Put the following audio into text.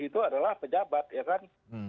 itu adalah pejabat ya kan